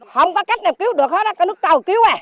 không có cách nào cứu được hết đó cái nước trầu cứu à